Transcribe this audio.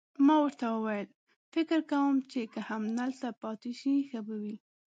ما ورته وویل: فکر کوم چې که همدلته پاتې شئ، ښه به وي.